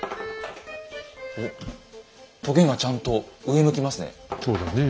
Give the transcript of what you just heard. おっとげがちゃんと上向きますね。